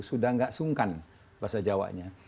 sudah tidak sungkan bahasa jawanya